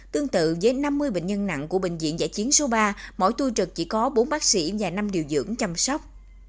tương tự với năm mươi bệnh nhân nặng của bệnh viện giải chiến số ba mỗi tu trực chỉ có bốn bác sĩ và năm điều dưỡng chăm sóc